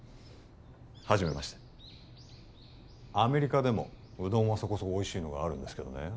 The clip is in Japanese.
はじめましてアメリカでもうどんはそこそこおいしいのがあるんですけどね